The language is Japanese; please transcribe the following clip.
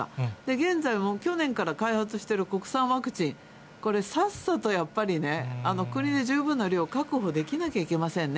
現在、去年から開発している国産ワクチン、これ、さっさとやっぱりね、国に十分な量を確保できなきゃいけませんね。